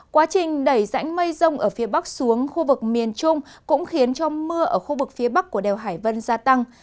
quá trình đẩy rãnh mây rông ở phía bắc xuống khu vực miền trung cũng khiến cho mưa ở khu vực phía bắc của đèo hải vân gia tăng